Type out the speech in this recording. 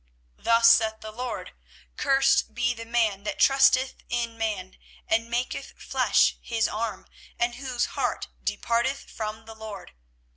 24:017:005 Thus saith the LORD; Cursed be the man that trusteth in man, and maketh flesh his arm, and whose heart departeth from the LORD.